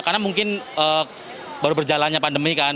karena mungkin baru berjalannya pandemi kan